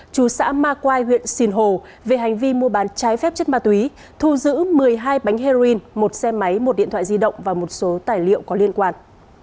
chú xã ma quai huyện sìn hồ về hành vi mua bán trái phép chất ma túy thu giữ một mươi hai bánh heroin một xe máy một điện thoại di động và một số tài liệu có liên quan